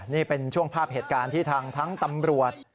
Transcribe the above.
นี่เป็นช่วงภาพเหตุการณ์ที่ทางทั้งตำรวจ